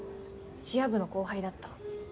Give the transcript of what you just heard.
チア部の後輩だった。